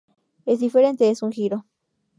Es diferente, es un giro.